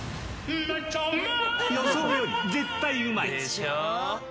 予想より絶対うまい。です。